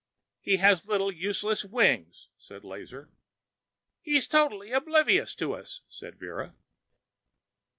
"He has little useless wings," said Lazar. "He is totally oblivious to us," said Vera.